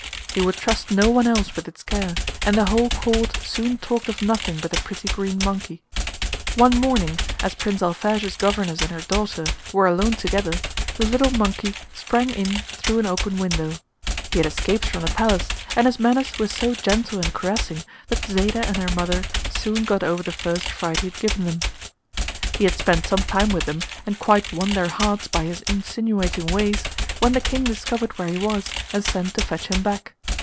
He would trust no one else with its care, and the whole Court soon talked of nothing but the pretty green monkey. One morning, as Prince Alphege's governess and her daughter were alone together, the little monkey sprang in through an open window. He had escaped from the palace, and his manners were so gentle and caressing that Zayda and her mother soon got over the first fright he had given them. He had spent some time with them and quite won their hearts by his insinuating ways, when the King discovered where he was and sent to fetch him back.